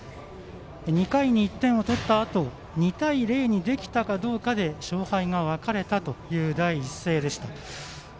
２回に１点を取ったあと２対０にできたかどうかで勝敗が分かれたという第一声でした。